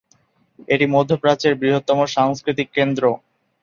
এটি মধ্য প্রাচ্যের বৃহত্তম সাংস্কৃতিক কেন্দ্র।